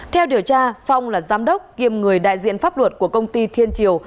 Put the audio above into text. theo điều tra phong là giám đốc kiêm người đại diện pháp luật của công ty thiên triều